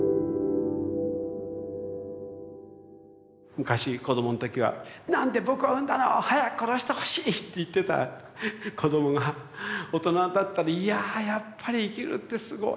昔子どもの時は「なんで僕を産んだの！早く殺してほしい！」って言ってた子どもが大人になったら「いやぁやっぱり生きるってすごいなぁ」